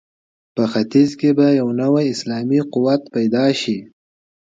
په ختیځ کې به یو نوی اسلامي قوت پیدا شي.